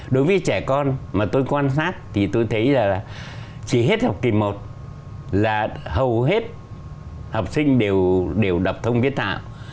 đối với trẻ con mà tôi quan sát thì tôi thấy là chỉ hết học kỳ một là hầu hết học sinh đều đọc thông viết thạo